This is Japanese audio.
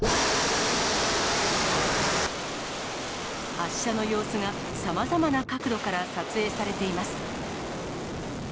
発射の様子がさまざまな角度から撮影されています。